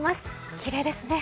きれいですね。